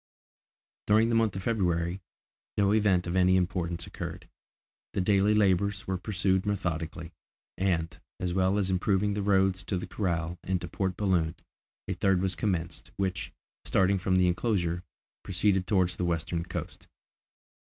During the month of February, no event of any importance occurred. The daily labours were pursued methodically, and, as well as improving the roads to the corral and to Port Balloon, a third was commenced, which, starting from the enclosure, proceeded towards the western coast.